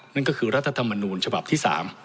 นั่นก็คือรัฐธรรมนูญฉบับที่๓